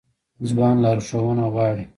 ځوان لارښوونه غواړي